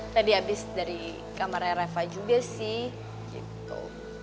tadi abis dari kamarnya reva juga sih gitu